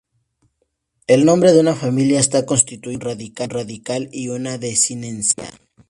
El nombre de una familia está constituido por un radical y una desinencia.